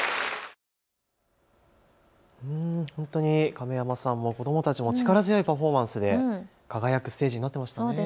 亀山さんも子どもたちも力強いパフォーマンスで輝くステージになっていましたね。